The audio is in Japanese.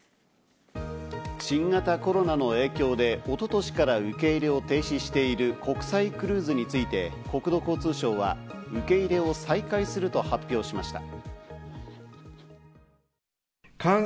新型コロナの影響で一昨年から受け入れを停止している国際クルーズについて、国土交通省は受け入れを再開すると発表しました。